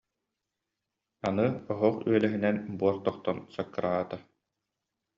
Аны оһох үөлэһинэн буор тохтон, саккыраата